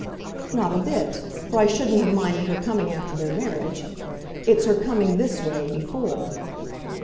"Not a bit for I shouldn't have minded her coming after their marriage. It's her coming, this way, before."